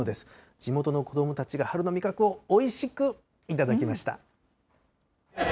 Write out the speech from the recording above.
地元の子どもたちが、春の味覚をおいしく頂きました。